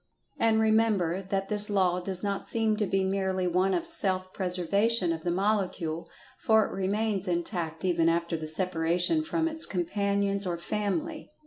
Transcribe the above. And, remember, that this law does not seem to be merely one of self preservation of the Molecule—for it remains intact even after the separation from its companions or family.